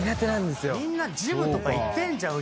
みんなジムとか行ってんじゃん。